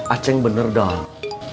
aceh bener dong